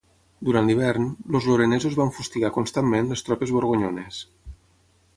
Durant l'hivern, els lorenesos van fustigar constantment les tropes borgonyones.